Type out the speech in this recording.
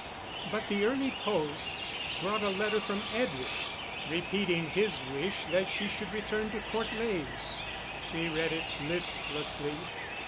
But the early post brought a letter from Edward, repeating his wish that she should return to Court Leys. She read it listlessly.